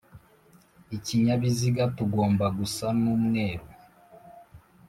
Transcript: ikinyabiziga tugomba gusa n'umweru